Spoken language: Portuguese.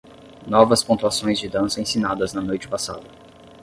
Novas pontuações de dança ensinadas na noite passada